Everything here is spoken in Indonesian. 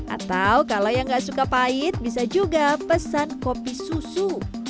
atau kalau yang nggak suka pahit bisa juga pesan kopi susu